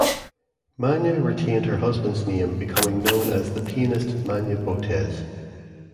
Mania retained her husband's name, becoming known as the pianist Manya Botez.